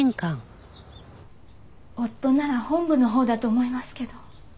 夫なら本部のほうだと思いますけど。